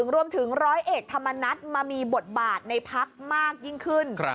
รวมถึงร้อยเอกธรรมนัฐมามีบทบาทในพักมากยิ่งขึ้น